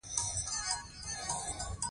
احمد ټول ايران مال په کابل کې اوبه کړ.